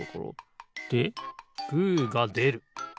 でグーがでる。